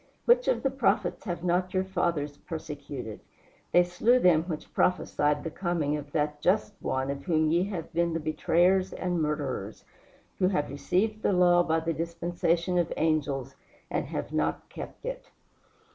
Which of the prophets have not your fathers persecuted? They slew them which prophesied the coming of that Just One of whom ye have been the betrayers and murderers; who have received the law by the dispensation of angels and have not kept it."